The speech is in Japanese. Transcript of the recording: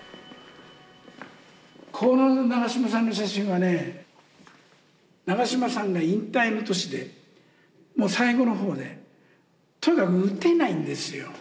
この長嶋さんの写真はね長嶋さんが引退の年でもう最後の方でとにかく打てないんですよ。